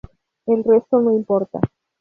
El resto no importa".